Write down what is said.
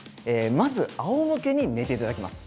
まず、あおむけに寝ていただきます。